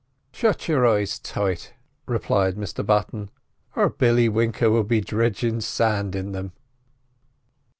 "Shut your eyes tight," replied Mr Button, "or Billy Winker will be dridgin' sand in them.